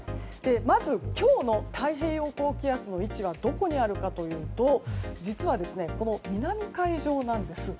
まず今日の太平洋高気圧の位置はどこにあるかというと実は、南海上なんです。